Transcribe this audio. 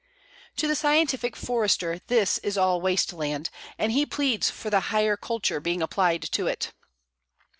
To the scientific forester this is all waste land, and he pleads for the "higher culture" being applied to it.